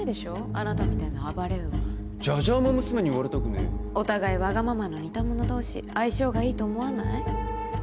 あなたみたいな暴れ馬じゃじゃ馬娘に言われたくねえお互いワガママの似たもの同士相性がいいと思わない？